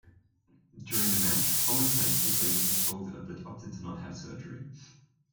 During the match, Homicide separated his shoulder, but opted not to have surgery.